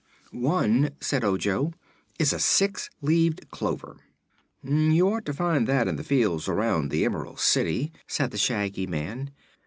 "One," said Ojo, "is a six leaved clover." "You ought to find that in the fields around the Emerald City," said the Shaggy Man.